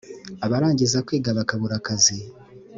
abarangiza kwiga bakabura akazi